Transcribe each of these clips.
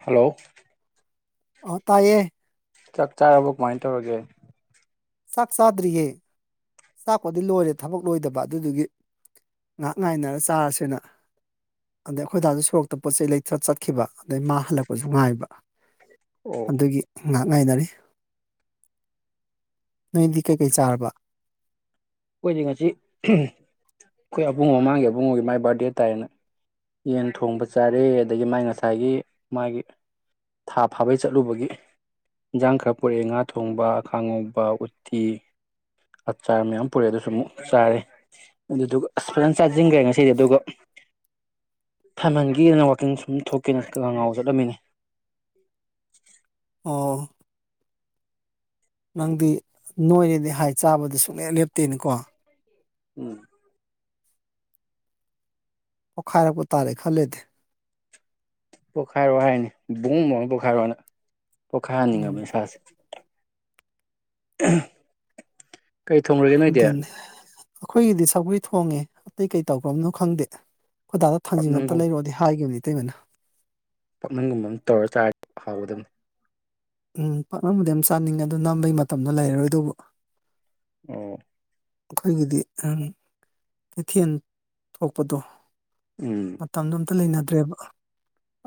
hello ꯑꯇꯥꯌꯦꯦ ꯆꯥꯛ ꯆꯥꯔꯕꯣ ꯀꯃꯥꯏꯅ ꯇꯧꯔꯒꯦ ꯁꯥꯛ ꯁꯥꯊꯔꯤꯌꯦ ꯆꯥꯛꯄꯣꯗꯤ ꯂꯣꯏꯔꯦ ꯊꯕꯛ ꯂꯣꯏꯗꯕ ꯑꯗꯨꯗꯨꯒꯤ ꯉꯥꯏꯍꯥꯛ ꯉꯥꯏꯅꯔ ꯆꯥꯔꯁꯦꯅ ꯑꯗꯩ ꯑꯩꯈꯣꯏꯗꯥꯥꯁꯨ ꯁꯣꯔꯣꯛꯇ ꯄꯣꯠ ꯆꯩ ꯂꯩꯊ ꯆꯠꯈꯤꯕ ꯑꯗꯩ ꯃꯥ ꯍꯜꯂꯛꯄꯁꯨ ꯉꯥꯏꯕ ꯑꯣ ꯑꯗꯨꯒꯤ ꯉꯍꯥꯛ ꯉꯥꯏꯅꯔꯤ ꯅꯣꯏꯗꯤ ꯀꯩꯀꯩ ꯆꯥꯔꯕ ꯑꯩꯈꯣꯏꯗꯤ ꯉꯁꯤ ꯑꯩꯈꯣꯏ ꯑꯕꯨꯡ ꯃꯃꯥꯡꯒꯤ ꯑꯕꯨꯡꯉꯣꯒꯤ ꯃꯥꯏ ꯕꯥꯔꯗꯦ ꯇꯥꯏꯌꯦꯅ ꯌꯦꯟ ꯊꯣꯡꯕ ꯆꯥꯔꯦ ꯑꯗꯒꯤ ꯃꯥꯒꯤ ꯉꯁꯥꯏꯒꯤ ꯃꯥꯒꯤ ꯊꯥ ꯐꯥꯕꯩ ꯆꯠꯂꯨꯕꯒꯤ ꯏꯟꯁꯥꯡ ꯈꯔ ꯄꯨꯔꯛꯑꯦ ꯉꯥ ꯊꯣꯡꯕ ꯈꯥꯉꯧꯕ ꯎꯠꯇꯤ ꯑꯆꯥꯔ ꯃꯌꯥꯝ ꯄꯨꯔꯦ ꯑꯗꯨꯁꯨ ꯑꯃꯨꯛ ꯆꯥꯔꯦ ꯑꯗꯨꯗꯨꯒ ꯑꯁ ꯐꯖꯅ ꯆꯥꯁꯤꯟꯈ꯭ꯔꯦ ꯉꯁꯤꯗꯤ ꯑꯗꯨꯒ ꯊꯥꯏꯃꯟꯒꯤꯅ ꯋꯥꯋꯥꯛꯀꯤꯡ ꯁꯨꯝ ꯊꯣꯛꯀꯦꯅ ꯈꯉꯥꯎ ꯆꯠꯂꯝꯃꯤꯅꯤ [unintelligible] ꯑꯣ ꯅꯪꯗꯤ ꯅꯣꯏꯅꯦꯗꯤ ꯍꯥꯏ ꯆꯥꯕꯗ ꯁꯨꯡꯂꯌꯥ ꯂꯦꯞꯇꯦꯅꯤꯀꯣ ꯎꯝ ꯄꯣꯛꯈꯥꯏꯔꯛꯄ ꯇꯥꯔꯦ ꯈꯜꯂꯦꯗꯤ ꯄꯣꯈꯥꯏꯔꯣ ꯍꯥꯏꯅꯤ ꯕꯣꯕ ꯑꯃ ꯄꯣꯈꯥꯏꯔꯣꯑꯣꯅ ꯎꯝ ꯄꯣꯈꯥꯏꯍꯟꯅꯤꯡꯉꯕꯅꯤ ꯏꯁꯥꯁꯦ [unintelligible] ꯅꯣꯏꯗꯤ ꯗꯦꯟ ꯑꯩꯈꯣꯏꯒꯤꯗꯤ ꯁꯒꯔꯤ ꯊꯣꯡꯉꯦ ꯑꯇꯩ ꯀꯩ ꯇꯧꯈ꯭ꯔꯕꯅꯣ ꯈꯪꯗꯦ ꯍꯣꯏꯗꯥꯗ ꯊꯥꯡꯖꯤꯟ ꯑꯝꯇ ꯄꯥꯛꯅꯝꯒꯨꯝ ꯂꯩꯔꯣꯑꯣꯗꯤ ꯍꯥꯏꯈꯤꯕꯅꯤ ꯏꯇꯩꯃꯅ ꯄꯥꯛꯅꯝꯒꯨꯝꯕ ꯑꯃ ꯇꯧꯔ ꯆꯥꯔꯗꯤ ꯍꯥꯎꯒꯗꯕꯅꯤ ꯎꯝ ꯄꯥꯛꯅꯕꯨꯗꯤ ꯌꯥꯝ ꯆꯥꯅꯤꯡꯉꯦ ꯑꯗꯨ ꯅꯝꯕꯩ ꯃꯇꯝꯗꯣ ꯂꯩꯔꯔꯣꯏꯗꯧꯕ ꯑꯣ ꯑꯩꯈꯣꯏꯒꯤꯗꯤ ꯀꯩꯊꯦꯜ ꯊꯣꯛꯄꯗꯣ ꯎꯝ ꯑꯇ ꯂꯩꯅꯗ꯭ꯔꯦꯕ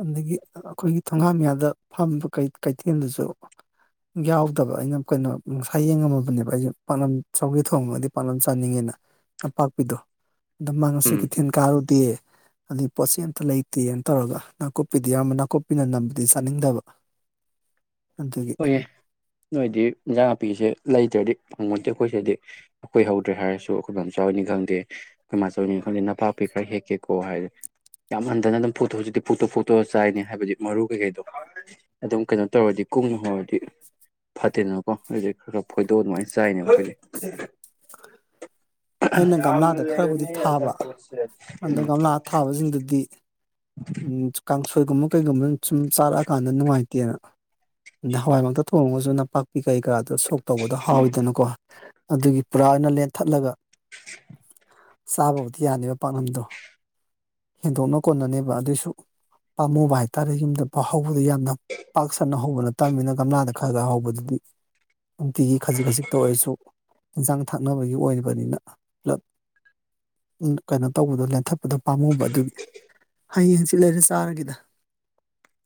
ꯑꯗꯒꯤ ꯑꯩꯈꯣꯏꯒꯤ ꯊꯣꯡꯒꯥꯃꯤꯌꯥꯗ ꯐꯥꯝꯝꯕ ꯀꯩꯊꯦꯜꯗꯨꯁꯨ ꯌꯥꯎꯗꯕ ꯑꯩꯅ ꯀꯩꯅꯣ ꯉꯅꯨꯡꯁꯥ ꯌꯦꯡꯉꯝꯃꯕꯅꯦꯕ ꯑꯩꯁꯦ ꯄꯥꯛꯅꯝ ꯆꯧꯒ ꯊꯣꯡꯉꯗꯤ ꯅꯄ ꯆꯥꯅꯤꯡꯉꯦꯅ ꯅꯄꯥꯛꯄꯤꯗꯣ ꯑꯗ ꯃꯥ ꯉꯁꯤ ꯎꯝ ꯀꯩꯊꯦꯜ ꯀꯥꯔꯨꯗꯦ ꯑꯩ ꯄꯣꯠꯁꯤ ꯑꯝꯇ ꯂꯩꯇꯦꯅ ꯇꯧꯔꯒ ꯅꯥꯀꯨꯞꯄꯤꯗꯤ ꯑꯌꯥꯝꯕ ꯅꯥꯀꯨꯞꯄꯤꯅ ꯅꯝꯕꯗꯤ ꯆꯥꯅꯤꯡꯗꯕ [inaudible] ꯑꯗꯨꯒꯤ ꯍꯣꯏꯌꯦꯦ ꯅꯣꯏꯗꯤ ꯏꯟꯖꯥꯡ ꯅꯨꯄꯤꯁꯦ ꯂꯩꯇ꯭ꯔꯗꯤ ꯐꯪꯉꯣꯟꯗꯦ ꯑꯩꯈꯣꯏꯁꯗꯤ ꯑꯩꯈꯣꯏ ꯍꯧꯗ꯭ꯔꯦ ꯍꯥꯏꯔꯁꯨ ꯑꯩꯈꯣꯏ ꯃꯝꯆꯥꯅꯤ ꯈꯪꯗꯦ ꯃꯥꯆꯧꯅꯤ ꯈꯦ ꯅꯄꯥꯛꯄꯤ ꯈꯔ ꯍꯦꯛꯀꯦꯀꯣ ꯍꯥꯏꯔꯦ ꯌꯥꯝ ꯍꯟꯊꯅ ꯑꯗꯨꯝ ꯄꯨꯛꯇꯣꯛ ꯍꯧꯖꯤꯛꯇꯤ ꯄꯨꯛꯇꯣꯛ ꯄꯨꯨꯛꯇꯣꯛꯑ ꯆꯥꯏꯅꯤ ꯍꯥꯏꯕꯗꯤ ꯃꯔꯨ ꯀꯩꯀꯩꯗꯣ ꯑꯗꯨꯝ ꯀꯩꯅꯣ ꯇꯧꯔꯗꯤ ꯀꯨꯝꯃꯍꯗꯤ ꯐꯠꯇꯦꯅꯀꯣ ꯑꯗꯨꯗꯤ ꯈꯔ ꯈꯔ ꯐꯣꯏꯗꯣꯛ ꯑꯗꯨꯃꯥꯏꯅ ꯆꯥꯏꯅꯦꯕ ꯑꯩꯈꯣꯏꯗꯤ ꯑꯩꯅ ꯌꯥꯝꯅ ꯒꯝꯂꯥꯗ ꯈꯔꯕꯨꯗꯤ ꯂꯩꯔꯝꯃꯤ ꯊꯥꯕ ꯑꯆꯥꯄꯣꯠꯁꯦ ꯑꯗꯣ ꯎꯝ ꯒꯝꯂꯥ ꯊꯥꯕꯁꯤꯡꯗꯨꯗꯤ ꯎ ꯀꯥꯡꯁꯣꯏꯒꯨꯝꯕ ꯀꯩꯒꯨꯝꯕ ꯁꯨꯝ ꯆꯥꯔꯛꯑꯀꯥꯟꯗ ꯅꯨꯡꯉꯥꯏꯇꯦꯅ ꯑꯗ ꯍꯋꯥꯏꯃꯛꯇ ꯊꯣꯡꯉꯒꯁꯨ ꯅꯄꯥꯛꯄꯤ ꯀꯩ ꯀꯔꯥꯗꯣ ꯁꯣꯛ ꯇꯧꯕꯗꯣ ꯍꯥꯎꯋꯤꯗꯅꯀꯣ ꯑꯗꯨꯒꯤ ꯄꯨꯔꯥ ꯑꯣꯏꯅ ꯂꯦꯟꯊꯠꯂꯒ ꯆꯥꯕꯕꯨꯗꯤ ꯌꯥꯅꯦꯕ ꯄꯥꯛꯅꯗꯣ ꯍꯦꯟꯗꯣꯛꯅ ꯀꯣꯟꯅꯅꯦꯕ ꯑꯗꯨꯏꯁꯨ ꯄꯥꯝꯃꯨꯕ ꯍꯥꯏꯇꯥꯔꯦ ꯌꯨꯝꯗ ꯄꯥ ꯍꯧꯕꯗ ꯌꯥꯝꯅ ꯄꯥꯛ ꯁꯟꯅ ꯍꯧꯕꯅ ꯇꯝꯃꯤꯅ ꯀꯝꯂꯥꯗ ꯈꯔ ꯈꯔ ꯍꯧꯕꯗꯨꯗꯤ ꯅꯨꯡꯇꯤꯒꯤ ꯈꯖꯤꯛ ꯈꯖꯤꯛꯇ ꯑꯣꯏꯔꯁꯨ ꯏꯟꯁꯥꯡ ꯊꯛꯅꯕꯒꯤ ꯑꯣꯏꯕꯅꯤꯅ ꯄꯨꯂꯞ ꯀꯩꯅꯣ ꯇꯧꯕꯗꯣ ꯂꯦꯟꯊꯠꯄꯗꯣ ꯄꯥꯝꯃꯨꯕ ꯑꯗꯨꯒꯤ ꯍꯌꯦꯡ ꯍꯪꯆꯤꯠ ꯂꯩꯔꯦ ꯆꯥꯔꯒꯦꯗ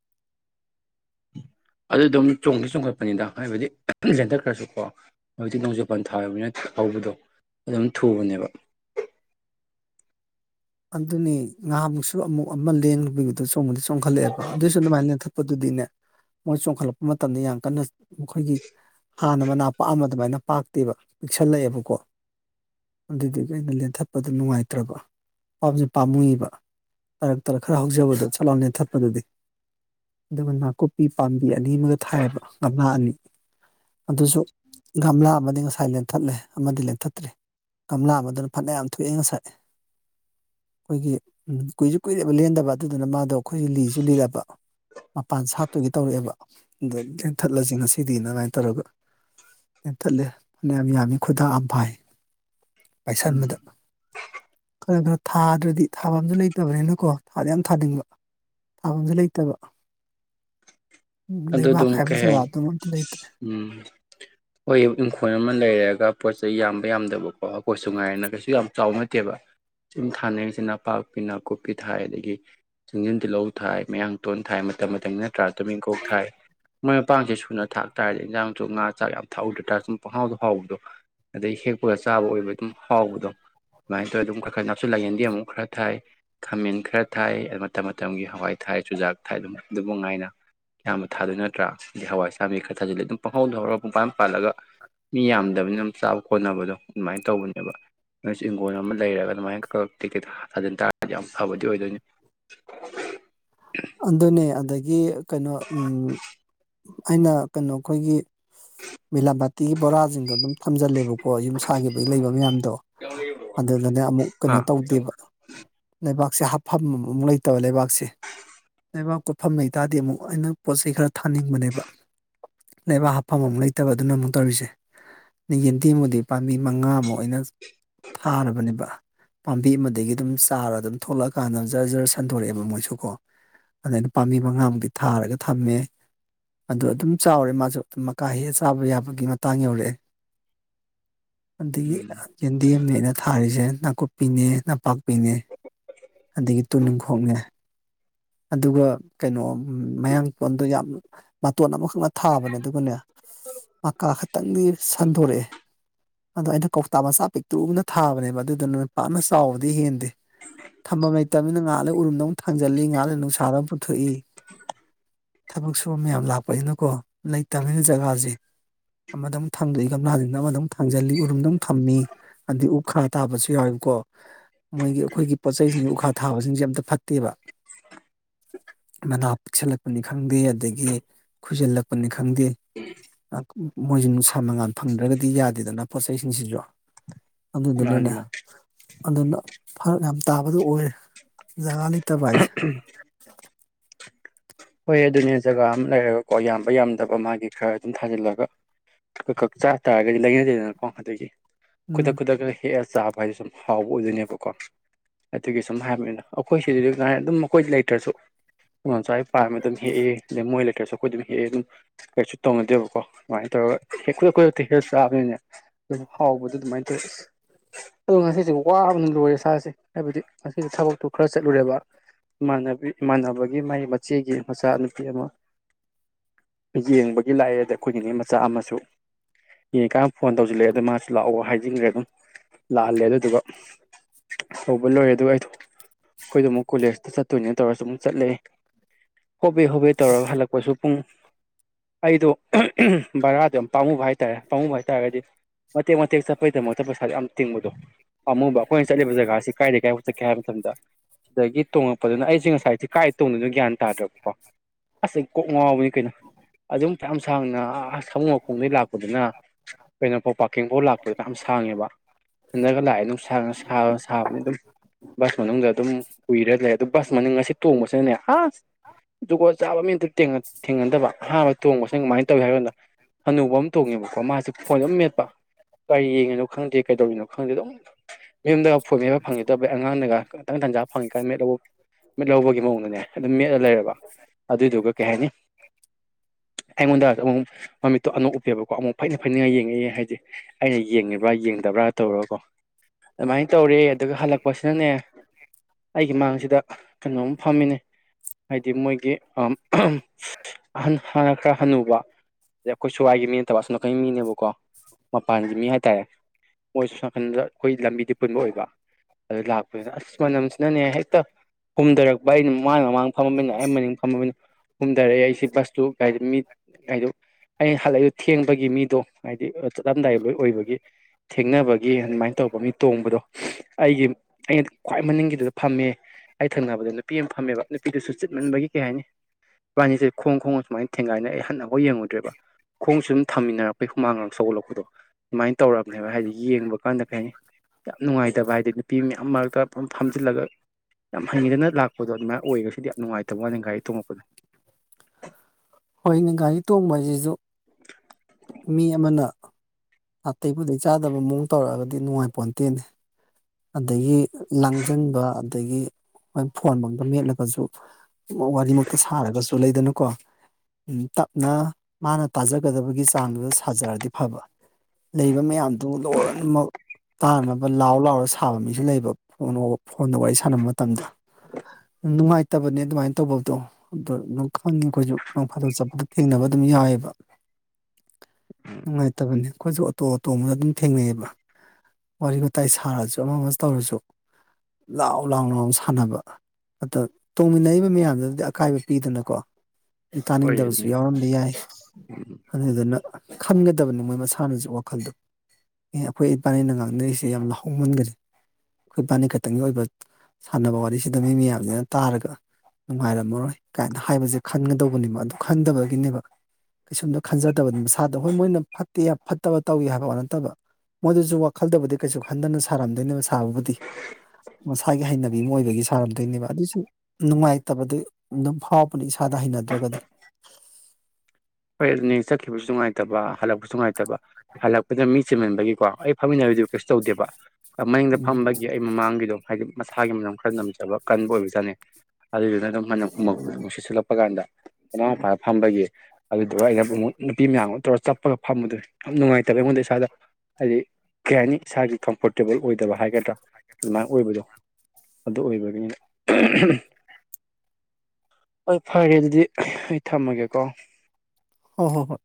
[unintelligible] ꯑꯗꯨ ꯑꯗꯨꯝ ꯆꯣꯡꯗꯤ ꯆꯣꯡꯈꯠꯄꯅꯤꯗ ꯍꯥꯏꯕꯗꯤ ꯂꯦꯟꯇꯛ ꯈꯔꯁꯨꯀꯣ ꯍꯥꯏꯕꯗꯤ ꯅꯣꯡꯖꯨꯄꯥꯟ ꯊꯥꯕꯅꯤꯅ ꯍꯧꯕꯗꯣ ꯑꯗꯨꯝ ꯊꯨꯕꯅꯦꯕ ꯑꯗꯨꯅꯤ ꯉꯍꯥꯃꯨꯛꯁꯨ ꯑꯃꯨꯛ ꯑꯃ ꯂꯦꯡꯕꯤꯗꯨꯗ ꯆꯣꯡꯕꯗ ꯆꯣꯡꯈꯠꯂꯛꯑꯦꯕ ꯑꯗꯨꯏꯁꯨ ꯑꯗꯨꯃꯥꯏꯅ ꯑꯄꯗꯨꯗꯤꯅꯦ ꯃꯣꯏ ꯆꯣꯡꯈꯠꯂꯛꯄ ꯃꯇꯝꯗ ꯌꯥꯝ ꯀꯟꯅ ꯃꯈꯣꯏꯒꯤ ꯍꯥꯟꯅ ꯃꯅꯥ ꯄꯥꯛꯑ ꯑꯃ ꯑꯗꯨꯃꯥꯏꯅ ꯄꯥꯛꯇꯦꯕ ꯄꯤꯛꯁꯜꯂꯛꯑꯦꯕꯀꯣ ꯑꯗꯨꯗꯨꯗꯒꯤ ꯑꯩꯅ ꯂꯦꯟꯊꯠꯄꯗꯨ ꯅꯨꯡꯉꯥꯏꯇ꯭ꯔꯕ ꯄꯝꯁꯦ ꯄꯥꯝꯃꯨꯏꯕ ꯇꯔ ꯇꯔꯛ ꯈꯔ ꯍꯧꯖꯕꯗ ꯆꯠꯂꯥꯎꯅꯦꯦꯊꯠꯄꯗꯗꯤ ꯑꯗꯨꯒ ꯅꯥꯀꯨꯞꯄꯤ ꯄꯥꯝꯕꯤ ꯑꯅꯤ ꯑꯃꯒ ꯊꯥꯏꯌꯦꯕ ꯀꯪꯂꯅꯥꯥ ꯑꯅꯤ ꯑꯗꯨꯁꯨ ꯒꯝꯂꯥ ꯑꯃꯗꯤ ꯉꯁꯥꯏ ꯂꯦꯟꯊꯠꯂꯦ ꯑꯃꯗꯤ ꯂꯦꯟꯊꯠꯇ꯭ꯔꯤ ꯀꯪꯂꯂꯥ ꯑꯃꯗꯨꯅ ꯐꯅ ꯌꯥꯝ ꯊꯣꯛꯑꯦꯅ ꯁꯛꯑꯦ ꯑꯩꯈꯣꯏꯒꯤ ꯀꯨꯏꯁꯨ ꯀꯨꯏꯗꯕ ꯂꯦꯟꯗꯕ ꯑꯗꯨꯗꯨꯅ ꯃꯥꯗꯣ ꯑꯩꯈꯣꯏꯁꯨ ꯂꯤꯁꯨ ꯂꯤꯄ ꯃꯄꯥꯟ ꯁꯥꯠꯇꯨꯒꯤ ꯇꯧꯔꯛꯑꯦꯕ ꯑ ꯂꯦꯟꯊꯠꯂꯁꯤ ꯉꯁꯤꯗꯤ ꯑꯗꯨꯃꯥꯏꯅ ꯇꯧꯔꯒ ꯇꯦꯟꯊꯠꯂꯦ ꯐꯅ ꯌꯥꯝ ꯌꯥꯝꯃꯤ ꯈꯨꯗ ꯌꯥꯝ ꯐꯥꯏ ꯄꯥꯏꯁꯟꯕꯗ ꯈꯔ ꯈꯔ ꯊꯥꯗ꯭ꯔꯗꯤ ꯊꯥꯐꯝꯝꯁꯨ ꯂꯩꯇꯕꯅꯤꯅꯀꯣ ꯊꯥꯗ ꯌꯥꯝ ꯊꯥꯅꯤꯡꯕ ꯊꯥꯐꯝꯁꯨ ꯂꯩꯇꯕ [inaudible] ꯎꯝ, ꯂꯩꯕꯥꯛ ꯑꯗꯨꯗꯨꯝ ꯍꯥꯏꯕ ꯀꯩ ꯍꯥꯏꯅꯤ ꯖꯒꯥꯗꯨꯃ ꯑꯝꯇ ꯂꯩꯇ꯭ꯔꯦ ꯍꯣꯏ ꯏꯪꯈꯣꯜ ꯑꯃ ꯂꯩꯔꯒ ꯄꯣꯠ ꯆꯩ ꯌꯥꯝꯕ ꯌꯥꯝꯗꯕꯀꯣ ꯀꯣꯏꯠꯁꯨ ꯉꯥꯏꯔꯅ ꯀꯩꯁꯨ ꯌꯥꯝ ꯆꯥꯎ ꯅꯠꯇꯦꯕ ꯁꯨꯝ ꯊꯥꯅꯩꯔꯤꯁꯤ ꯅꯄꯥꯛꯄꯤ ꯅꯥꯀꯨꯞꯄꯤ ꯊꯥꯏ ꯑꯗꯒꯤ ꯆꯤꯡꯖꯤꯟ ꯇꯤꯜꯍꯧ ꯊꯥꯏ ꯃꯌꯥꯡꯇꯣꯟ ꯊꯥꯏ ꯃꯇꯝ ꯃꯇꯝꯒꯤ ꯅꯠꯇ꯭ꯔꯥ ꯇꯨ ꯏꯀꯣꯛ ꯊꯥꯏ ꯃꯣꯏ ꯃꯄꯥꯡꯁꯦ ꯁꯨꯅ ꯊꯥꯛꯇꯥꯥꯔꯒꯗꯤ ꯌꯦꯟꯖꯥꯡꯁꯨ ꯉꯥ ꯆꯥꯛ ꯌꯥꯝ ꯊꯛꯍꯧꯗ ꯇꯥꯔꯦ ꯁꯨꯝ ꯄꯪꯍꯥꯎꯗꯣ ꯍꯥꯎꯕꯗꯣ ꯑꯗꯩ ꯍꯦꯛꯄꯒ ꯆꯥꯕ ꯑꯣꯏꯕ ꯑꯗꯨꯝ ꯍꯥꯎꯕꯗꯣ ꯑꯗꯨꯨꯃꯥꯏꯅ ꯇꯧꯔꯦ ꯑꯗꯨꯝ ꯈꯔ ꯈꯔ ꯅꯥꯞꯁꯨ ꯂꯥꯏꯌꯦꯟꯗꯤ ꯑꯃꯨꯛ ꯈꯔ ꯊꯥꯏ ꯈꯥꯃꯦꯟ ꯈꯔ ꯊꯥꯏ ꯑ ꯃꯇꯝ ꯃꯇꯝꯒꯤ ꯍꯋꯥꯏ ꯊꯥꯏ ꯊꯥꯏ ꯆꯨꯖꯥꯛ ꯊꯥꯏ ꯑꯗꯨꯝ ꯑꯗꯨꯕꯨ ꯉꯥꯏꯅ ꯌꯥꯝꯌꯥꯝꯕ ꯊꯥꯗꯣꯏ ꯅꯠꯇ꯭ꯔꯥ ꯍꯥꯏꯗꯤ ꯍꯋꯥꯏ ꯆꯥꯕꯤ ꯈꯔ ꯊꯥꯖꯤꯜꯂꯦ ꯑꯗꯨꯝ ꯄꯪꯍꯧꯗ ꯍꯧꯧꯔꯒ ꯄꯨꯡꯄꯝ ꯄꯠꯂꯒ ꯃꯤ ꯌꯥꯝꯗꯕꯅ ꯆꯥꯕ ꯈꯣꯠꯅꯕꯗꯣ ꯑꯗꯨꯃꯥꯏꯅ ꯇꯧꯕꯅꯦꯕ ꯅꯣꯏꯁꯨ ꯏꯤꯡꯈꯣꯜ ꯑꯃ ꯂꯩꯔꯒ ꯑꯗꯨꯃꯥꯏꯅ ꯇꯤꯀꯦꯠꯇ ꯍꯥ ꯊꯥꯖꯤꯟ ꯇꯥꯔꯒꯗꯤ ꯌꯥꯝ ꯐꯕꯗꯤ ꯑꯣꯏꯗꯣꯏꯅꯤ [inaudible] ꯑꯗꯨꯗꯅꯦ ꯑꯗꯒꯤ ꯒꯤ ꯀꯩꯅꯣ ꯑꯩꯅ ꯀꯩꯅꯣ ꯑꯩꯈꯣꯏꯒꯤ ꯃꯤꯂꯥꯕꯥꯇꯤꯒꯤ ꯕꯣꯔꯥꯁꯤꯡꯗꯣ ꯑꯗꯨꯝ ꯊꯝꯖꯤꯜꯂꯦꯕꯀꯣ ꯌꯨꯝ ꯁꯥꯈꯤꯕꯒꯤ ꯂꯩꯕ ꯃꯌꯥꯝꯗꯣ ꯑꯗꯨꯗꯅꯦ ꯑꯃꯨꯛ ꯍꯥ ꯀꯩꯅꯣ ꯇꯧꯗꯦꯕ ꯂꯩꯕꯥꯛꯁꯦ ꯍꯥꯞꯐꯝꯃꯨꯛ ꯂꯩꯇꯕ ꯂꯩꯕꯥꯛꯁꯦ ꯂꯩꯕꯥꯛ ꯄꯣꯠꯐꯝ ꯂꯩꯇꯥꯔꯗꯤ ꯑꯃꯨꯛ ꯑꯩꯅ ꯄꯣꯠ ꯆꯩꯩ ꯈꯔ ꯊꯥꯅꯤꯡꯕꯅꯦꯕ ꯂꯩꯕꯥꯛ ꯍꯥꯞꯐꯝ ꯑꯃꯨꯛ ꯂꯩꯇꯕ ꯑꯗꯨꯅ ꯑꯃꯨꯛ ꯇꯧꯔꯤꯁꯦ ꯌꯦꯟꯗꯦꯝꯃꯨꯗꯤ ꯄꯥꯝꯕꯤ ꯃꯉꯥ ꯑꯃꯨ ꯑꯣꯏꯅ ꯊꯥꯔꯕꯅꯦꯕ ꯄꯥꯝꯕꯤ ꯑꯃꯗꯒꯤ ꯑꯗꯨꯝ ꯆꯥꯔ ꯑꯗꯨꯝ ꯊ ꯊꯣꯛꯂꯛꯑꯀꯥꯟꯗ ꯖꯔ ꯖꯔ ꯁꯟꯗꯣꯔꯛꯑꯦꯕ ꯃꯣꯏꯁꯨ ꯀꯣ ꯑꯗ ꯑꯩꯅ ꯄꯥꯝꯕꯤ ꯃꯉꯥꯃꯨꯛꯇꯤ ꯊꯥꯔꯒ ꯊꯝꯃꯦ ꯑꯗꯨ ꯑꯗꯨꯝ ꯆꯥꯎꯔꯦ ꯃꯥꯁꯨꯝ ꯃꯀꯥ ꯍꯦꯛꯑ ꯆꯥꯕ ꯌꯥꯕꯒꯤ ꯃꯇꯥꯡ ꯌꯧꯔꯛꯑꯦ [inaudible] ꯑꯗꯒꯤ ꯎꯝ ꯌꯦꯟꯗꯦꯝꯅꯦ ꯑꯩꯅ ꯊꯥꯔꯤꯁꯦ ꯅꯥꯀꯨꯞꯄꯤꯅꯦ ꯅꯄꯥꯛꯄꯤꯅꯦ ꯑꯗꯒꯤ ꯇꯨꯅꯤꯡꯈꯣꯛꯅꯦ ꯑꯗꯨꯒ ꯀꯩꯅꯣ ꯃꯌꯥꯡ ꯇꯣꯟꯗꯣ ꯌꯥꯝ ꯃꯇꯣꯟ ꯑꯃꯈꯛꯅ ꯊꯥꯕꯅꯦ ꯑꯗꯨꯒꯅꯦ ꯃꯀꯥ ꯈꯛꯇꯪꯗꯤ ꯁꯟꯗꯣꯔꯛꯑꯦ ꯑꯗꯣ ꯑꯩꯅ ꯀꯧꯇꯥ ꯃꯆꯥ ꯄꯤꯛꯇꯨꯅ ꯊꯥꯕꯅꯦꯕ ꯑꯗꯨꯗꯨ ꯅꯣꯏꯠ ꯄꯥꯛꯅ ꯆꯥꯎꯕꯗꯤ ꯍꯦꯟꯗꯦ ꯊꯝꯐꯝ ꯂꯩꯇꯕꯅꯤꯅ ꯉꯥꯏꯍꯥꯛꯂ ꯎꯔꯨꯝꯗ ꯑꯃꯨ ꯊꯥꯡꯖꯜꯂꯤ ꯉꯍꯥꯛꯂ ꯅꯨꯡꯁꯥꯗ ꯑꯃ ꯄꯨꯊꯣꯛꯏ ꯊꯕꯛ ꯁꯨꯕ ꯃꯌꯥꯝ ꯂꯥꯛꯄꯅꯤꯅꯀꯣ ꯂꯩꯇꯕꯅꯤꯅ ꯖꯒꯥꯁꯦ ꯑꯃ ꯑꯗꯨꯝ ꯊꯥꯡꯗꯣꯛꯏ ꯒꯝꯂꯥꯁꯤꯡꯅ ꯑꯃ ꯑꯗꯨꯝ ꯊꯥꯡꯖꯤꯜꯂꯤ ꯎꯔꯨꯝ ꯑꯗꯨꯝ ꯊꯝꯃꯤ ꯑꯗꯩ ꯎꯛ ꯈꯥ ꯇꯥꯕꯁꯨ ꯌꯥꯎꯋꯤ ꯀꯣ ꯃꯣꯏꯒꯤ ꯑꯩꯈꯣꯏꯒꯤ ꯄꯣꯠꯁꯤꯡ ꯎꯈꯥ ꯊꯥꯕꯁꯤꯡꯁꯦ ꯑꯝꯇ ꯐꯠꯇꯦꯕ ꯃꯅꯥ ꯄꯤꯛꯁꯜꯂꯛꯄꯅꯤ ꯈꯪꯗꯦ ꯑꯗꯒꯤ ꯈꯨꯖꯤꯜꯂꯛꯄꯅꯤ ꯈꯪꯗꯦ ꯈꯪ ꯃꯣꯏꯁꯨ ꯅꯨꯡꯁꯥ ꯃꯉꯥꯟ ꯐꯪꯗ꯭ꯔꯒꯗꯤ ꯌꯥꯗꯦꯗꯅ ꯄꯣꯠ ꯆꯩꯁꯤꯡꯁꯤꯁꯨ ꯃꯥꯅꯤ ꯑꯗꯨꯗꯨꯅꯅꯦ ꯃꯥꯅꯤ ꯑꯗꯨꯅ ꯐꯔꯛ ꯌꯥꯝ ꯇꯥꯕꯗꯨ ꯑꯣꯏꯔꯦ ꯖꯒꯥ ꯂꯩ ꯇꯕꯥꯏꯖ ꯎꯝ ꯍꯣꯏ ꯑꯗꯨꯅꯦ ꯖꯒꯥ ꯑꯃ ꯂꯩꯔꯒꯀꯣ ꯌꯥꯝꯕ ꯌꯥꯝꯗꯕ ꯃꯥꯒꯤ ꯈꯔ ꯑꯗꯨꯝ ꯊꯥꯖꯤꯜꯂꯒ ꯀꯛ ꯆꯥ ꯇꯥꯔꯒꯗꯤ ꯂꯩꯅꯗꯦꯗꯅꯀꯣ ꯑꯗꯨꯒꯤ ꯎꯝ ꯈꯨꯗꯛ ꯈꯨꯗꯛꯀ ꯍꯦꯛꯑ ꯆꯥꯕ ꯍꯥꯏꯁꯦ ꯁꯨꯝ ꯍꯥꯎꯕ ꯑꯣꯏꯗꯣꯏꯅꯦꯕꯀꯣ ꯑꯗꯨꯒꯤ ꯁꯨꯝ ꯍꯥꯏꯕꯅꯤꯅ ꯑꯩꯈꯣꯏ ꯁꯤꯗꯗꯤ ꯀꯥꯏ ꯑꯗꯨꯝ ꯃꯈꯣꯏ ꯂꯩꯇ꯭ꯔꯁꯨ ꯉꯣꯝ ꯆ ꯄꯥꯝꯃꯦ ꯑꯗꯨꯝ ꯍꯦꯛ ꯑꯦ ꯃꯣꯏ ꯂꯩꯇ꯭ꯔꯦ ꯑꯩꯈꯣꯏ ꯑꯗꯨꯝ ꯍꯦꯛ ꯑꯗꯨꯝ ꯀꯩꯁꯨ ꯇꯧꯅꯗꯦꯕꯀꯣ ꯑꯗꯨꯃꯥꯏꯅ ꯇꯧꯔꯒ ꯈꯨꯗꯛ ꯈꯨꯗꯛꯇ ꯍꯦꯛꯑ ꯆꯥꯕꯅꯤꯅꯅꯦ ꯍꯥꯎꯕꯗ ꯑꯗꯨꯃꯥꯏꯅ ꯇꯧꯋ ꯑꯗꯣ ꯉꯁꯤꯁꯦ ꯋꯥꯕꯅ ꯂꯣꯏꯔꯦ ꯁꯥꯥꯁꯦ ꯍꯥꯏꯕꯗꯤ ꯉꯁꯤꯁꯦ ꯊꯕꯛꯇꯨ ꯈꯔ ꯆꯠꯂꯨꯔꯦꯕ ꯏꯃꯥꯟꯅꯕꯤ ꯏꯃꯥꯟꯅꯕꯒꯤ ꯃꯥꯒꯤ ꯃꯆꯦꯒꯤ ꯃꯆꯥꯅꯨꯄꯤ ꯑꯃ ꯌꯦꯡꯕꯒꯤ ꯂꯥꯛꯑꯦꯗ ꯑꯩꯈꯣꯏꯒꯤꯅꯦ ꯃꯆꯥ ꯑꯃꯁꯨ ꯌꯦꯡꯉꯀꯥꯟ ꯐꯣꯟ ꯇꯧꯁꯤꯜꯂꯛꯑꯦ ꯑꯗꯣ ꯃꯥꯁꯨ ꯂꯥꯛꯑꯣ ꯍꯥꯏꯖꯤꯟꯈ꯭ꯔꯦ ꯑꯗꯨꯝ ꯂꯥꯛꯍꯜꯂꯦ ꯑꯗꯨꯗꯨꯒ ꯍꯧꯕ ꯂꯣꯏꯔꯦ ꯑꯗꯨꯒ ꯑꯩꯗ ꯑꯩꯈꯣꯏꯗ ꯑꯃꯨꯛ ꯀꯣꯂꯦꯖꯇ ꯆꯠꯇꯣꯏꯅꯦ ꯇꯧꯔꯁꯨ ꯑꯃꯨꯛ ꯆꯠꯂꯑꯦ ꯍꯣꯕꯦ ꯍꯣꯕꯦ ꯇꯧꯔ ꯍꯜꯂꯛꯄꯁꯨ ꯄꯨꯡ ꯑꯩꯗꯣ ꯚꯔꯥꯗ ꯌꯥꯝ ꯄꯥꯝꯃꯨꯕ ꯍꯥꯏꯇꯥꯔꯦ ꯄꯥꯝꯃꯨꯕ ꯍꯥꯏꯇꯥꯥꯔꯒꯗꯤ ꯃꯇꯦꯛ ꯃꯇꯦꯛ ꯆꯠꯄꯩꯗꯃꯛꯇ ꯄꯩꯁꯥꯗ ꯌꯥꯝ ꯇꯤꯡꯕꯗꯣ ꯑꯃꯨꯕ ꯑꯩꯈꯣꯏꯅ ꯆꯠꯂꯤꯕ ꯖꯒꯥꯁꯤ ꯀꯥꯏꯗ ꯀꯥꯏ ꯆꯠꯀꯦ ꯍꯥꯏꯕ ꯃꯇꯝꯗ ꯁꯤꯗꯒꯤ ꯇꯣꯡꯉꯛꯄꯗꯨꯅ ꯑꯩꯁꯦ ꯉꯁꯥꯏꯁ ꯀꯥꯏ ꯇꯧꯅ ꯒ꯭ꯌꯥꯟ ꯇꯥꯗ꯭ꯔꯕꯀꯣ ꯑꯁ ꯑꯩ ꯀꯣꯛ ꯉꯥꯎꯕꯅꯤ ꯀꯩꯅꯣ ꯑꯗꯨꯛ ꯌꯥꯝ ꯁꯥꯡꯅ ꯑꯁ ꯊꯃꯨꯡ ꯃꯈꯣꯡꯗꯩ ꯂꯥꯛꯄꯗꯨꯅ ꯀꯩꯅꯄꯧ ꯄꯥꯀꯤꯡ ꯐꯥꯎ ꯂꯥꯛꯄꯗ ꯌꯥꯝ ꯁꯥꯡꯉꯦꯕ ꯆꯟꯅꯒ ꯂꯥꯛꯑꯦ ꯑꯗꯨꯝ ꯁꯥꯕꯅꯤ ꯑꯗꯨꯝ ꯕꯁ ꯃꯅꯨꯡꯗ ꯑꯗꯨꯝ ꯀꯨꯏꯔ ꯂꯩ ꯑꯗꯨ ꯕꯁ ꯃꯅꯤꯡ ꯑꯁꯤ ꯇꯣꯡꯕꯁꯤꯅꯅꯦ ꯍꯥ ꯖꯨꯒꯣ ꯆꯥꯕ ꯃꯤ ꯑꯇ ꯊꯦꯡꯅꯟꯗꯕ ꯑꯍꯥꯟꯕ ꯊꯣꯡꯕꯁꯤꯅ ꯀꯃꯥꯏꯅ ꯇꯧꯏꯤ ꯍꯥꯏꯕꯗ ꯑꯅꯧꯕ ꯑꯃ ꯇꯣꯡꯉꯦꯕꯀꯣ ꯃꯥꯁꯦ ꯐꯣꯟ ꯑꯃ ꯃꯦꯠꯄ ꯀꯔꯤ ꯌꯦꯡꯉꯤꯅꯣ ꯈꯪꯗꯦ ꯀꯩꯗꯧꯔꯤꯅꯣ ꯈꯪꯗꯦ ꯑꯗꯨꯝ ꯌꯨꯝꯗ ꯐꯣꯏꯉꯕ ꯐꯪꯉꯗꯕꯩ ꯑꯉꯥꯡꯅꯒ ꯈꯇꯪ ꯇꯟꯖꯥ ꯐꯪꯉꯤꯀꯥꯏ ꯃꯦꯠꯍꯧꯕ ꯃꯦꯠꯍꯧꯕꯒꯤ ꯃꯑꯣꯡꯗꯅꯦ ꯑꯗꯨꯝ ꯃꯦꯠꯂ ꯂꯩꯔꯕ ꯑꯗꯨꯏꯗꯨꯒ ꯀꯩ ꯍꯥꯏꯅꯤ ꯑꯩꯉꯣꯟꯗ ꯑꯃꯨꯛ ꯃꯃꯤꯠꯇꯣ ꯑꯅꯧ ꯎꯞꯄꯦꯕꯀꯣ ꯑꯃꯨꯛ ꯐꯅ ꯐꯩꯅꯅ ꯌꯦꯡꯉꯛꯑꯦ ꯍꯥꯏꯗꯤ ꯑꯩꯅ ꯌꯦꯡꯉꯤꯕ꯭ꯔꯥ ꯌꯦꯡꯗ ꯐꯠꯇꯕ꯭ꯔꯥ ꯇꯧꯔ ꯀꯣ ꯑꯗꯨꯃꯥꯏꯅ ꯇꯧꯔꯦ ꯑꯗꯨꯒ ꯍꯜꯂꯛꯄꯁꯤꯅꯅꯦ ꯑꯩꯒꯤ ꯃꯥꯡꯁꯤꯗ ꯀꯩꯅꯣꯝ ꯐꯝꯃꯤꯅꯦ ꯍꯥꯏꯗꯤ ꯃꯣꯏꯒꯤꯟ ꯍꯥꯟꯅ ꯈꯔ ꯍꯟꯅꯨꯕ ꯑꯗ ꯑꯩꯈꯣꯏ ꯁ꯭ꯋꯥꯏꯒꯤ ꯃꯤ ꯅꯠꯇꯕ ꯑꯁ ꯅꯥꯀꯩꯒꯤ ꯃꯤꯅꯦꯕꯀꯣ ꯃꯄꯥꯟꯒꯤ ꯃꯤ ꯍꯥꯏꯇꯥꯔꯦ ꯃꯣꯏꯁꯨ ꯅꯥꯀꯟꯗ ꯑꯩꯈꯣꯏ ꯂꯝꯕꯤꯗꯤ ꯄꯨꯟꯕ ꯑꯣꯏꯕ ꯑꯗꯨ ꯂꯥꯛꯄꯅꯤꯅ ꯑꯁ ꯃꯅꯝꯁꯤꯅꯅꯦ ꯍꯦꯛꯇ ꯍꯨꯝꯊꯔꯛꯄ ꯑ ꯃꯃꯥꯡ ꯃꯃꯥꯡꯗ ꯐꯝꯃꯃꯤꯅ ꯑꯌꯥꯝ ꯃꯅꯤꯡ ꯐꯝꯃꯃꯤꯅ ꯍꯨꯝꯊꯔꯛꯑꯦ ꯑꯩꯁꯤ ꯕꯁꯇꯨ ꯃꯤꯗ ꯑꯩꯅ ꯍꯜꯂꯛꯏꯗꯣ ꯊꯦꯡꯕꯒꯤ ꯃꯤꯗꯣ ꯍꯥꯏꯗꯤ ꯆꯠꯂꯝꯗꯥꯏꯗ ꯂꯣꯏ ꯑꯣꯏꯕꯒꯤ ꯊꯦꯡꯅꯕꯒꯤ ꯑꯗꯨꯃꯥꯏꯅ ꯇꯧ ꯑꯇꯧꯕ ꯃꯤ ꯇꯣꯡꯕꯗꯣ ꯑꯩꯒꯤ ꯑꯩꯅ ꯈ꯭ꯋꯥꯏ ꯃꯅꯤꯡꯒꯤꯗꯨꯗ ꯐꯝꯃꯦ ꯑꯩ ꯊꯪꯅꯕꯗ ꯅꯨꯄꯤ ꯑꯃ ꯊꯝꯃꯦꯕ ꯅꯨꯄꯤꯗꯨꯁꯨ ꯆꯤꯠ ꯃꯟꯕꯒꯤ ꯀꯩ ꯍꯥꯏꯅꯤ ꯏꯕꯥꯅꯤꯁꯦ ꯈꯣꯡ ꯈꯣꯡ ꯁꯨꯃꯥꯏꯅ ꯊꯦꯡꯒꯥꯏꯅ ꯑꯩ ꯍꯟꯅ ꯍꯐꯥꯎ ꯌꯦꯡꯉꯨꯗ꯭ꯔꯦꯕ ꯈꯣꯡꯁꯨ ꯑꯗꯨꯨꯝ ꯊꯝꯃꯤꯟꯅꯔꯛꯄꯩ ꯍꯨꯃꯥꯡ ꯁꯧꯒꯠꯂꯛꯄꯗꯣ ꯑꯗꯨꯃꯥꯏꯅ ꯇꯧꯔꯑꯅꯦꯕ ꯍꯥꯏꯗꯤ ꯌꯦꯡꯕ ꯀꯥꯟꯗ ꯀꯩ ꯍꯥꯏꯅꯤ ꯌꯥꯝ ꯅꯨꯡꯉꯥꯏꯇꯕ ꯍꯥꯏꯗꯤ ꯅꯨꯄꯤ ꯃꯌꯥꯝ ꯃꯔꯛꯇ ꯐꯝꯖꯤꯜꯂꯒ ꯌꯥꯝ ꯍꯩꯅꯤꯗꯅ ꯂꯥꯛꯄ ꯗꯣ ꯑꯗꯨꯃꯥꯏꯅ ꯑꯣꯏꯔꯒꯁꯤꯗꯤ ꯌꯥꯝ ꯅꯨꯡꯉꯥꯏꯇꯕ ꯋꯥꯅꯤ ꯉꯥꯏ ꯇꯣꯡꯉꯛꯄꯗꯣ ꯍꯣꯏꯅꯦ ꯘꯔꯤ ꯇꯣꯡꯕ ꯍꯥꯏꯁꯤꯁꯨ ꯃꯤ ꯑꯃꯅ ꯑꯇꯩꯕꯨꯗ ꯆꯥꯗꯕ ꯃꯑꯣꯡ ꯇꯧꯔꯛꯑꯒꯗꯤ ꯅꯨꯡꯉꯥꯏꯄꯣꯟꯇꯦꯅꯦ ꯑꯗꯒꯤ ꯂꯥꯡꯁꯤꯟꯕ ꯑꯗꯒꯤ ꯃꯣꯏ ꯐꯣꯟ ꯃꯗ ꯃꯦꯠꯂꯒꯁꯨ ꯋꯥꯔꯤꯃꯨꯛꯇ ꯁꯥꯔꯒꯁꯨ ꯂꯩꯗꯅꯨ ꯀꯣ ꯇꯞꯅ ꯃꯥꯅ ꯇꯥꯖꯒꯗꯕꯒꯤ ꯆꯥꯡꯗꯨꯗ ꯁꯥꯖꯔꯗꯤ ꯐꯕ ꯂꯩꯕ ꯃꯌꯥꯝꯗꯨ ꯂꯣꯏꯅꯃꯛ ꯇꯥꯅꯕ ꯂꯥꯎ ꯂꯥꯎꯔ ꯁꯥꯕ ꯃꯤꯁꯨ ꯂꯩꯕ ꯐꯣꯟꯕ ꯐꯣꯟꯗ ꯋꯥꯔꯤ ꯁꯥꯟꯅꯕ ꯃꯇꯝꯗ ꯅꯨꯡꯉꯥꯏꯇꯕꯅꯦ ꯑꯗꯨꯃꯥꯏꯅ ꯇꯧꯕꯗꯣ ꯑꯗꯨꯗꯣ ꯑꯗꯨꯝ ꯈꯪꯉꯦ ꯑꯩꯈꯣꯏꯁꯨ ꯈꯤꯪ ꯐꯥꯗꯣꯛ ꯆꯠꯄꯒ ꯊꯦꯡꯅꯕ ꯑꯗꯨꯝ ꯏꯕ [inaudible] ꯎꯝ ꯅꯨꯡꯉꯥꯏꯇꯕꯅꯦ ꯑꯩꯈꯣꯏꯁꯨ ꯑꯣꯇꯣ ꯑꯣꯇꯣ ꯑꯃꯗ ꯑꯗꯨꯝ ꯊꯦꯡꯅꯩꯕ ꯋꯥꯔꯤ ꯋꯥꯋꯇꯥꯏ ꯁꯥꯔꯁꯨ ꯑꯃ ꯑꯃ ꯇꯧꯔꯁꯨ ꯂꯥꯎ ꯂꯥꯎ ꯂ ꯑꯃ ꯁꯥꯟꯅꯕ ꯑꯗꯣ ꯇꯣꯡꯃꯤꯟꯅꯔꯤꯕ ꯃꯌꯥꯝꯗꯨꯗꯤ ꯑꯀꯥꯏꯕ ꯄꯤꯗꯅꯀꯣ ꯍꯣꯏ ꯇꯥꯅꯤꯡꯗꯕꯁꯨ ꯑꯗꯨꯅꯤ ꯌꯥꯎꯔꯝꯕ ꯌꯥꯏ ꯎꯝ ꯑꯗꯨꯗꯨꯅ ꯈꯟꯒꯗꯕꯅꯤ ꯃꯣꯏ ꯃꯁꯥꯅꯁꯨ ꯋꯥꯈꯜꯗꯣ ꯑꯦ ꯑꯩꯈꯣꯏ ꯏꯄꯥꯅꯤꯅ ꯉꯥꯡꯅꯔꯤꯁꯦ ꯌꯥꯝꯅ ꯂꯧꯍꯣꯡꯃꯟꯒꯅꯤ ꯑꯩꯈꯣꯏꯕꯥꯅꯤ ꯈꯛꯇꯪꯒꯤ ꯑꯣꯏꯕ ꯁꯥꯟꯅꯕ ꯋꯥꯔꯤꯁꯤꯗ ꯃꯤ ꯃꯌꯥꯝꯁꯤꯅ ꯇꯥꯔꯒ ꯅꯨꯡꯉꯥꯏꯔꯝꯃꯔꯣꯏ ꯀꯥꯏꯅ ꯍꯥꯏꯕꯁꯦ ꯈꯟꯒꯗꯧꯕꯅꯦꯕ ꯑꯗꯨ ꯈꯟꯗꯕꯒꯤꯅꯦꯕ ꯀꯩꯁꯨꯝꯗ ꯈꯟꯖꯗꯕꯗ ꯃꯁꯥꯗꯣ ꯍꯣꯏ ꯃꯣꯏꯅ ꯐꯠꯇꯦ ꯐꯠꯇꯕ ꯇꯧꯋꯤ ꯍꯥꯏꯕ ꯋꯥ ꯅꯠꯇꯕ ꯃꯣꯏꯗꯨꯁꯨ ꯋꯥꯈꯜꯗꯕꯨꯗꯤ ꯀꯩꯁꯨ ꯈꯟꯗꯅ ꯁꯥꯔꯝꯗꯣꯏꯅꯦꯕ ꯁꯥꯕꯕꯨꯗꯤ ꯃꯁꯥꯒꯤ ꯍꯩꯅꯕꯤ ꯑꯃ ꯑꯣꯏꯕꯒꯤ ꯁꯥꯔꯝꯗꯣꯏꯅꯦꯕ ꯑꯗꯨꯏꯁꯨ ꯅꯨꯡꯉꯥꯏꯇꯕꯗꯨ ꯑꯗꯨꯝ ꯐꯥꯎꯕꯅꯤ ꯏꯁꯥ ꯑꯗ ꯍꯩꯅꯗ꯭ꯔꯒꯗꯤ ꯍꯣꯏ ꯑꯗꯨꯅꯦ ꯆꯠꯈꯤꯕꯁꯨ ꯅꯨꯡꯉꯥꯏꯇꯕ ꯍꯜꯂꯛꯄꯁꯨ ꯅꯨꯡꯉꯥꯏꯇꯕ ꯑꯗꯨꯅ ꯃꯤ ꯆꯤꯟꯃꯟꯕꯒꯤꯀꯣ ꯑꯩ ꯐꯝꯃꯤꯟꯅꯕꯗꯤ ꯀ‌ꯦꯁꯨ ꯇꯧꯗꯦꯕ ꯃꯅꯤꯡꯗ ꯎꯝ ꯐꯝꯕꯒꯤ ꯑꯩ ꯃꯃꯥꯡꯒꯤꯗꯣ ꯍꯥꯏꯗꯤ ꯃꯁꯥꯒꯤ ꯃꯔꯅꯝ ꯈꯔ ꯅꯝꯖꯕ ꯀꯟꯕ ꯑꯣꯏꯕꯖꯥꯠꯅꯤ ꯑꯗꯨꯗꯨꯅ ꯑꯗꯨꯝ ꯍꯨꯃꯛ ꯃꯅꯝ ꯅꯨꯡꯁꯤꯠ ꯁꯤꯜꯂꯛꯄ ꯀꯥꯟꯗ ꯊꫭꯅꯥꯎ ꯃꯄꯥ ꯐꯝꯕꯒꯤ ꯑꯗꯨꯗꯨꯒ ꯑꯩꯅ ꯑꯃꯛ ꯅꯨꯄꯤ ꯃꯌꯥꯝ ꯑꯃ ꯇꯧꯔꯒ ꯆꯠꯄꯒ ꯐꯝꯕꯗꯨꯅꯤ ꯌꯥꯝ ꯅꯨꯡꯉꯥꯏꯇꯕ ꯑꯩꯉꯣꯟꯗ ꯏꯁꯥꯗ ꯍꯥꯏꯗꯤ ꯀꯩ ꯍꯥꯏꯅꯤ ꯏꯁꯥꯒꯤ ꯀꯝꯐꯣꯔꯇꯦꯕꯜ ꯑꯣꯏꯗꯕ ꯍꯥꯏꯒꯗ꯭ꯔꯥ ꯑꯗꯨꯃꯥꯏꯅ ꯑꯣꯏꯕꯗꯣ ꯑꯗꯨ ꯑꯣꯏꯕꯒꯤꯅꯤꯅ ꯍꯣꯏ ꯐꯔꯦ ꯑꯗꯨꯗꯤ ꯑꯩ ꯊꯝꯃꯒꯦꯀꯣ ꯍꫭ ꯍꯣꯏ ꯍꯣꯏ